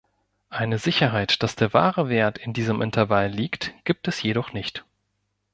Eine Sicherheit, dass der wahre Wert in diesem Intervall liegt, gibt es jedoch nicht.